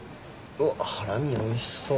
あっハラミおいしそう。